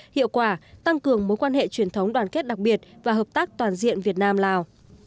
hiệu quả tăng cường mối quan hệ truyền thống đoàn kết đặc biệt và hợp tác toàn diện việt nam lào